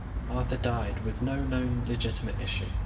Arthur died with no known legitimate issue.